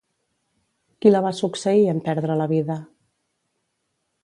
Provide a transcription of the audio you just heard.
Qui la va succeir, en perdre la vida?